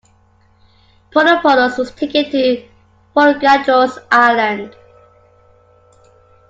Pouliopoulos was taken to Folegandros island.